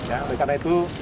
oleh karena itu